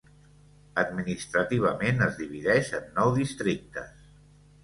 Administrativament es divideix en nou districtes.